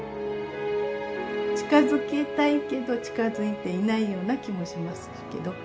近づけたいけど近づいていないような気もしますけど。